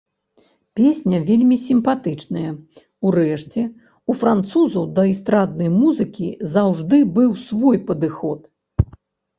Песня вельмі сімпатычная, урэшце, у французаў да эстраднай музыкі заўжды быў свой падыход.